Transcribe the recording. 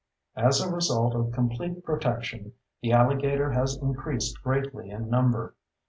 As a result of complete protection, the alligator has increased greatly in number.